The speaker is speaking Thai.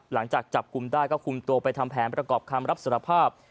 หลังจากจับกลุ่มได้ก็คุมตัวไปทำแผนประกอบคำรับสารภาพ